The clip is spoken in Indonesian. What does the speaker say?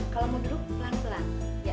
kalau mau drop pelan pelan